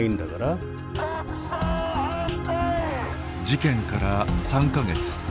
事件から３か月。